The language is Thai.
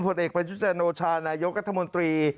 ผลเอกประยุจันโอชานายกรัฐมนตรี